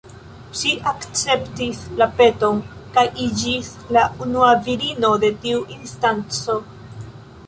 Ŝi akceptis la peton kaj iĝis la unua virino de tiu instanco.